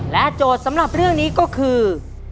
โจทย์สำหรับเรื่องนี้ก็คือ